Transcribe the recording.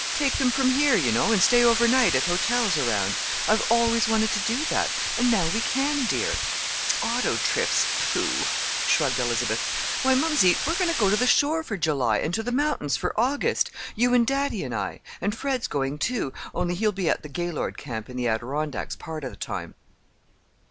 "Take them from here, you know, and stay overnight at hotels around. I've always wanted to do that; and we can now, dear." "Auto trips! Pooh!" shrugged Elizabeth. "Why, mumsey, we're going to the shore for July, and to the mountains for August. You and daddy and I. And Fred's going, too, only he'll be at the Gaylord camp in the Adirondacks, part of the time."